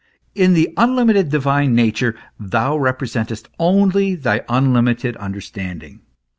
In the unlimited divine nature thou representest only thy unlimited understanding.